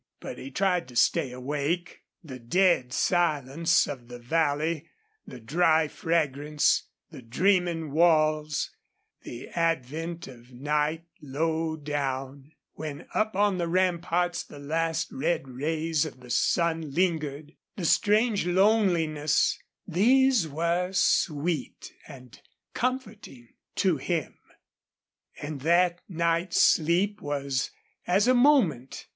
But he tried to stay awake. The dead silence of the valley, the dry fragrance, the dreaming walls, the advent of night low down, when up on the ramparts the last red rays of the sun lingered, the strange loneliness these were sweet and comforting to him. And that night's sleep was as a moment.